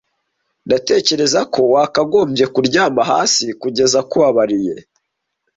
Ndatekereza ko wakagombye kuryama hasi kugeza akubabariye.